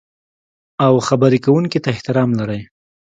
او خبرې کوونکي ته احترام لرئ.